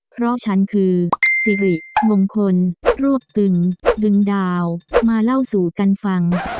เพราะฉันคือสิริมงคลรวบตึงดึงดาวมาเล่าสู่กันฟัง